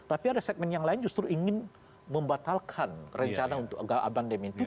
tapi ada segmen yang lain justru ingin membatalkan rencana untuk pandemi itu